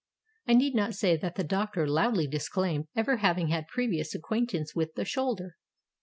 I need not say that the doctor loudly disclaimed ever having had previous acquaintance with the shoulder.